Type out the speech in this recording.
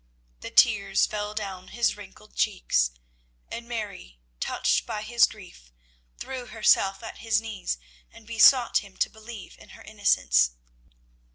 The tears fell down his wrinkled cheeks, and Mary, touched by his grief, threw herself at his knees and besought him to believe in her innocence.